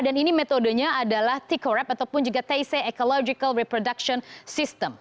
dan ini metodenya adalah ticorap ataupun juga taisei ecological reproduction system